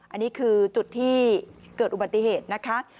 อันนี้คือจุดที่เกิดอุบัติเหตุนะคะ